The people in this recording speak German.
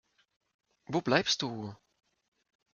Wo bleibst du?